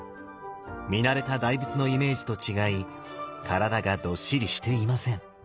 見慣れた大仏のイメージと違い体がどっしりしていません。